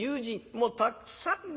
もうたくさんに。